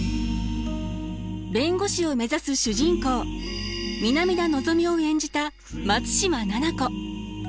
弁護士を目指す主人公南田のぞみを演じた松嶋菜々子。